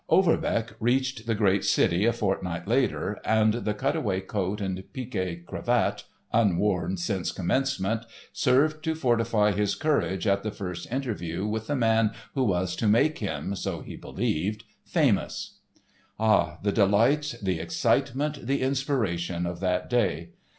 Overbeck reached the great city a fortnight later, and the cutaway coat and pique cravat—unworn since Commencement—served to fortify his courage at the first interview with the man who was to make him—so he believed—famous. Ah, the delights, the excitement, the inspiration of that day!